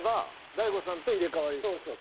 大悟さんと入れ代わりですね。